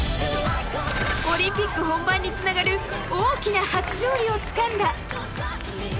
オリンピック本番につながる大きな初勝利をつかんだ。